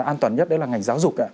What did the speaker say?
an toàn nhất đấy là ngành giáo dục ạ